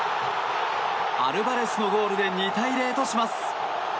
アルバレスのゴールで２対０とします。